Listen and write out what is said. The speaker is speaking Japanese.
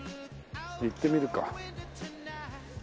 行ってみるか。